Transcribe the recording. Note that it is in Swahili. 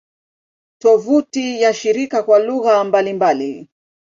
Tovuti ya shirika kwa lugha mbalimbali